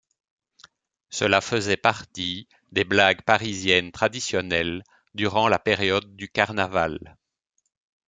Cela faisait partie des blagues parisiennes traditionnelles durant la période du Carnaval.